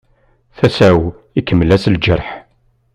Tasa-w ikemmel-as lǧerḥ.